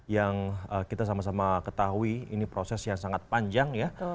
yang kita sama sama ketahui ini proses yang sangat panjang ya